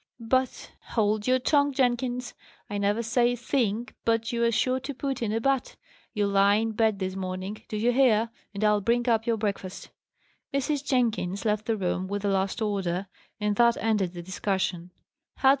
"But " "Hold your tongue, Jenkins. I never say a thing but you are sure to put in a 'but.' You lie in bed this morning, do you hear? and I'll bring up your breakfast." Mrs. Jenkins left the room with the last order, and that ended the discussion.